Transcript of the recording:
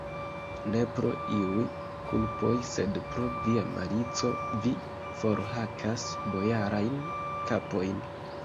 Ne pro iuj kulpoj, sed pro via malico vi forhakas bojarajn kapojn!